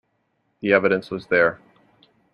The evidence was there.